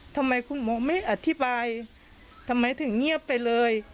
ทำไมคุณหมอไม่อธิบายทำไมถึงเงียบไปเลย